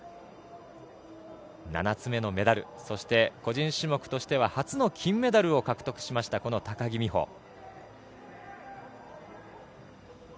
７つ目のメダル個人種目としては初の金メダルを獲得しました高木美帆。